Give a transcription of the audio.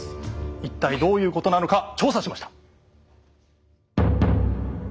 一体どういうことなのか調査しました。